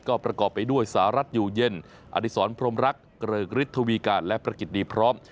ก็ประกอบไปด้วยสหรัฐอยู่เย็นอดิษรพรมรักเกริกฤทธวีการและประกิจดีพร้อม